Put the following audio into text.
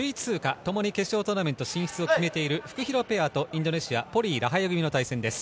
ともに決勝トーナメント進出を決めているフクヒロペアと、インドネシアのポリイ、ラハユ組の対戦です。